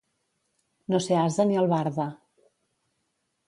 No ser ase ni albarda.